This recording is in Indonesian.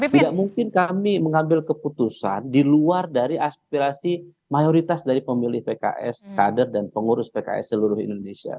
tidak mungkin kami mengambil keputusan di luar dari aspirasi mayoritas dari pemilih pks kader dan pengurus pks seluruh indonesia